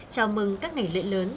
chào mừng các ngày lễ lớn